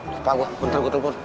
duh pak gue ntar gue telepon